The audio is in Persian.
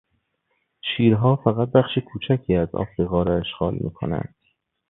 شیرها فقط بخش کوچکی از افریقا را اشغال میکنند.